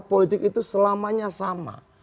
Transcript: politik itu selamanya sama